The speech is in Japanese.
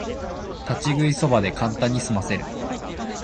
立ち食いそばでカンタンにすませる